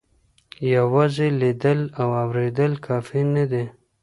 یوازې لیدل او اورېدل کافي نه دي.